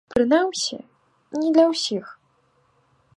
Прынамсі, не для ўсіх.